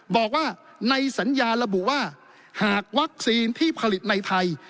บอกว่าในสัญญาระบุว่าหากวัคซีนที่ผลิตในไทย